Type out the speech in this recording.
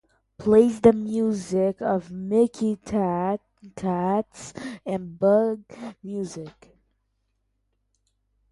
Examples are "Plays the Music of Mickey Katz" and "Bug Music".